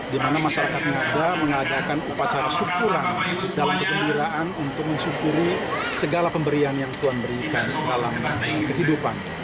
di mana masyarakat nadra mengadakan upacara syukuran dalam kegembiraan untuk mensyukuri segala pemberian yang tuhan berikan dalam kehidupan